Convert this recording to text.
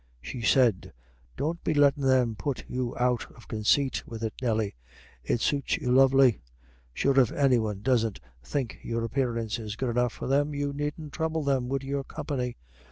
She said: "Don't be lettin' them put you out of consait with it, Nelly; it suits you lovely. Sure if anyone doesn't think your app'arance is good enough for them, you needn't throuble them wid your company.